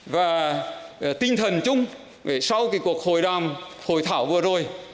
và tinh thần chung về sau cuộc hội đàm hồi thảo vừa rồi